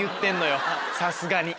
さすがに。